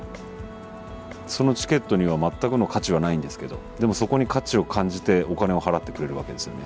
そのチケットには全くの価値はないんですけどでもそこに価値を感じてお金を払ってくれるわけですよね。